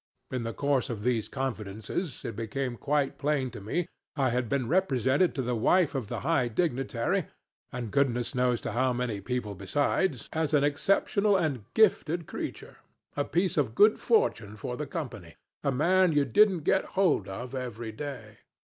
In the course of these confidences it became quite plain to me I had been represented to the wife of the high dignitary, and goodness knows to how many more people besides, as an exceptional and gifted creature a piece of good fortune for the Company a man you don't get hold of every day.